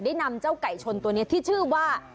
นำเจ้าไก่ชนตัวนี้ที่ชื่อว่า